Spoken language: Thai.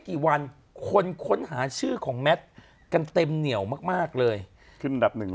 กี่วันคนค้นหาชื่อของแมทกันเต็มเหนียวมากมากเลยขึ้นอันดับหนึ่ง